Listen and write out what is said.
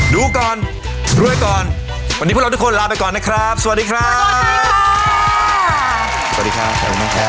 ดูก่อนรวยก่อนวันนี้พวกเราทุกคนลาไปก่อนนะครับสวัสดีครับ